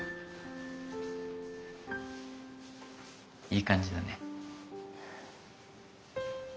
いい感じだね。